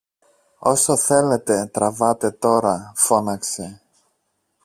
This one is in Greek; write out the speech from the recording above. Όσο θέλετε τραβάτε τώρα! φώναξε.